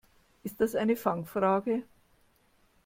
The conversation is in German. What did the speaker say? Ist das eine Fangfrage?